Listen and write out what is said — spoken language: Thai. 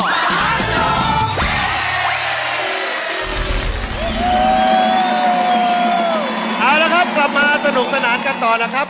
เอาละครับกลับมาสนุกสนานกันต่อนะครับ